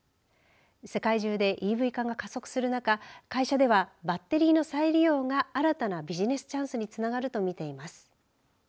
世界中でＥＶ化が加速する中会社ではバッテリーの再利用が新たなビジネスチャンスにつながると見ています。